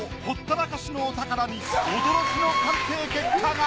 ほったらかしのお宝に驚きの鑑定結果が！